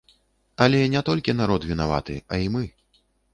Але не толькі народ вінаваты, а і мы.